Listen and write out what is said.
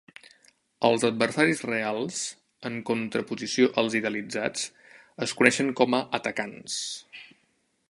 Els adversaris reals, en contraposició als idealitzats, es coneixen com a "atacants".